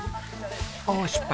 おお失敗。